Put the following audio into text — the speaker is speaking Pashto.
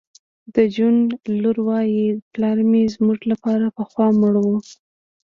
د جون لور وایی پلار مې زموږ لپاره پخوا مړ و